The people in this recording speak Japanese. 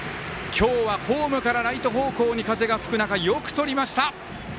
今日はホームからライト方向に風が吹く中よくとりました。